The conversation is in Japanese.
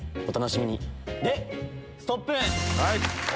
お楽しみに。でストップ！